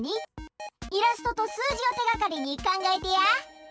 イラストとすうじをてがかりにかんがえてや。